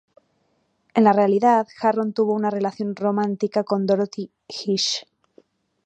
En la realidad, Harron tuvo una relación romántica con Dorothy Gish.